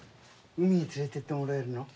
海に連れてってもらえるの？